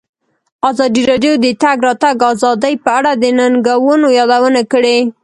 ازادي راډیو د د تګ راتګ ازادي په اړه د ننګونو یادونه کړې.